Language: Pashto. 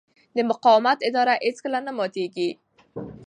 د مقاومت اراده هېڅکله نه ماتېږي.